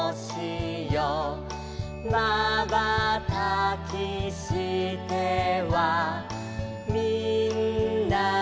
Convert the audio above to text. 「まばたきしてはみんなをみてる」